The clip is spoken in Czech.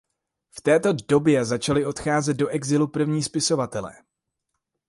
V této době začali odcházet do exilu první spisovatelé.